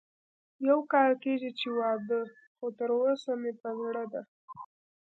يو کال کېږي چې واده خو تر اوسه مې په زړه ده